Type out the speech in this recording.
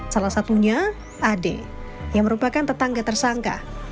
salah satunya ade yang merupakan tetangga tersangka